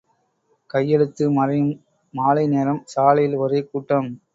கையெழுத்து மறையும் மாலை நேரம் — சாலையில் ஒரே கூட்டம்.